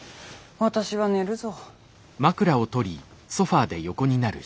私は寝るぞ。